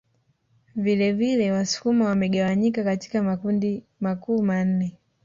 Vilevile Wasukuma wamegawanyika katika makundi makuu manne